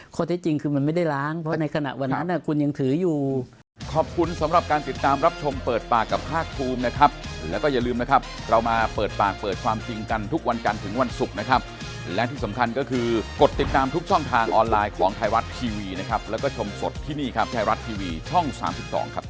ข้อเท็จจริงคือมันไม่ได้ล้างเพราะในขณะวันนั้นคุณยังถืออยู่